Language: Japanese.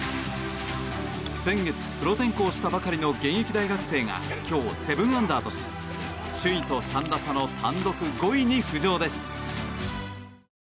先月、プロ転向したばかりの現役大学生が今日７アンダーとし首位と３打差の単独５位に浮上です。